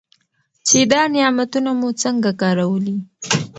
چې دا نعمتونه مو څنګه کارولي.